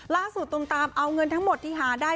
ตูมตามเอาเงินทั้งหมดที่หาได้